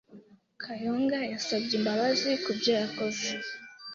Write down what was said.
Kayonga yasabye imbabazi kubyo yakoze.